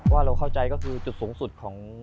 ว่าเราเข้าใจก็คือจุดสูงสุดของ